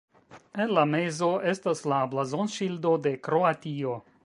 En la mezo estas la blazonŝildo de Kroatio.